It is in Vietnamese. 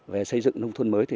về xây dựng nông thôn mới